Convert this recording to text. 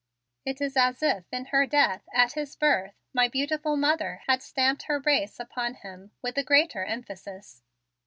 It is as if in her death, at his birth, my beautiful mother had stamped her race upon him with the greater emphasis.